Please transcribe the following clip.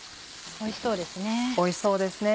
おいしそうですね。